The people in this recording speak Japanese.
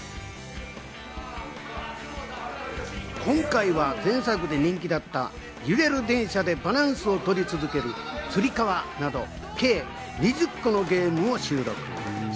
今回は前作で人気だった、揺れる電車でバランスをとり続ける「つり革」など、計２０個のゲームを収録。